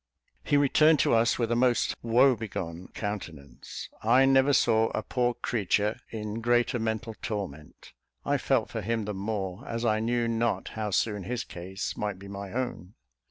He returned to us with a most woe begone countenance. I never saw a poor creature in greater mental torment. I felt for him the more, as I knew not how soon his case might be my own.